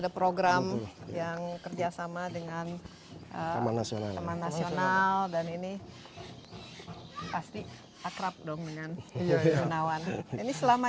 ada program yang kerjasama dengan teman nasional dan ini pasti akrab dong dengan yunawan ini selama